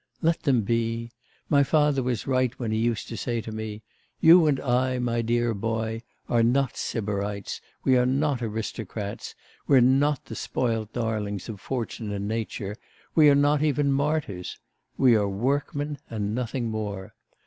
Let them be! My father was right when he used to say to me: "You and I, my dear boy, are not Sybarites, we are not aristocrats, we're not the spoilt darlings of fortune and nature, we are not even martyrs we are workmen and nothing more.